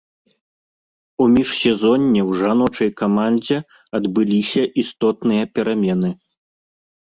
У міжсезонне ў жаночай камандзе адбыліся істотныя перамены.